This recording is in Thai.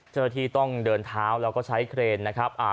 เจ้าหน้าที่ต้องเดินเท้าแล้วก็ใช้เครนนะครับ